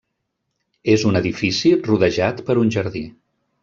És un edifici rodejat per un jardí.